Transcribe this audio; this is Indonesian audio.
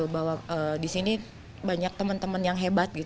bahwa di sini banyak teman teman yang hebat